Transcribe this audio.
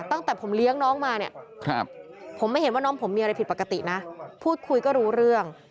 ตั้งแต่ผมเลี้ยงน้องมาเนี่ยผมไม่เห็นว่าน้องผมมีอะไรผิดปกตินะพูดคุยก็รู้เรื่อง